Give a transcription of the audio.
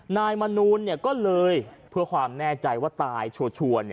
นายมนูลก็เลยเพื่อความแน่ใจว่าตายชัวร์